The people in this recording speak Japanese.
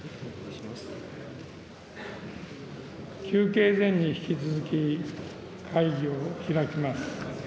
休憩前に引き続き、会議を開きます。